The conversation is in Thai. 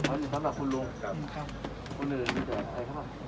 สำหรับคุณลุงครับครับคนอื่นที่เจออะไรครับ